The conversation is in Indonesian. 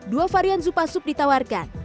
dua varian supa soup ditawarkan